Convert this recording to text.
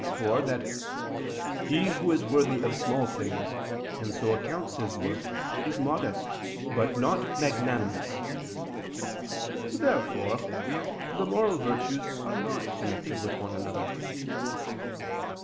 iv) that "he who is worthy of small things, and so accounts his worth, is modest, but not magnanimous." Therefore the moral virtues are not connected with one another.